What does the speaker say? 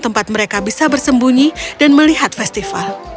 tempat mereka bisa bersembunyi dan melihat festival